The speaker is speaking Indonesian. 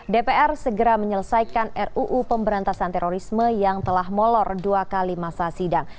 dpr segera menyelesaikan ruu pemberantasan terorisme yang telah molor dua kali masa sidang